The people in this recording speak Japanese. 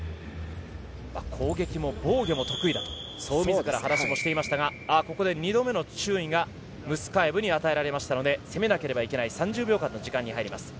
攻撃も防御も得意だとそう自らも話をしていましたがここで２度目の注意がムスカエブに与えられたので攻めなければいけない３０秒に入ります。